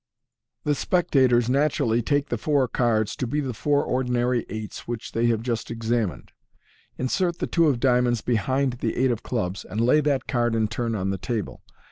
The spectators naturally take the four cards to be the four ordinary eights which they have just examined. Insert the two of diamonds behind the eight of clubs, and lay that card in turn on the table.